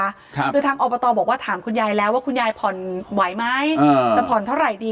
คือทางอบตบอกว่าถามคุณยายแล้วว่าคุณยายผ่อนไหวไหมเออจะผ่อนเท่าไหร่ดี